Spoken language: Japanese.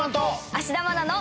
芦田愛菜の。